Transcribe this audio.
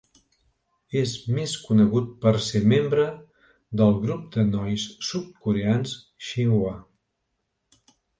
És més conegut per ser membre del grup de nois sud-coreans Shinhwa.